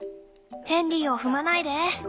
ヘンリーを踏まないで。